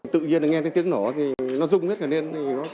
tự nhiên là nghe tiếng nổ thì nó rung hết cả nên